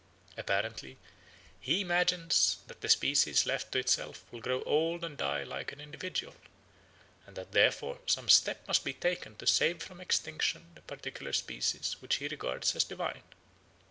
Apparently he imagines that a species left to itself will grow old and die like an individual, and that therefore some step must be taken to save from extinction the particular species which he regards as divine.